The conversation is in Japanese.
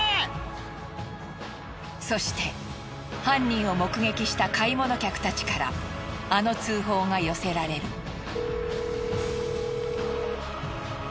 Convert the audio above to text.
そして犯人を目撃した買い物客たちからあの通報が寄せられる。